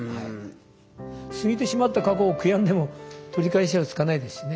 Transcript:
過ぎてしまった過去を悔やんでも取り返しはつかないですしね。